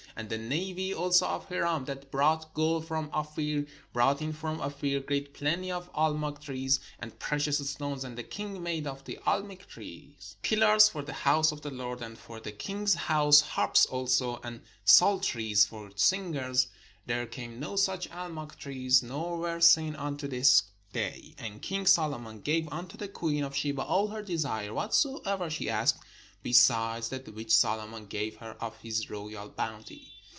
And the navy also of Hiram, that brought gold from Ophir, brought in from Ophir great plenty of almug trees, and precious stones. And the king made of the almug trees pillars for the house of the Lord, and for the king's house, harps also and psalteries for singers: there came no such ahnug trees, nor were seen unto this day. And king Solomon gave unto the queen of Sheba all her desire, whatsoever she asked, besides that which Solomon gave her of his royal bounty.